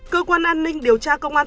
cơ quan an ninh điều tra công an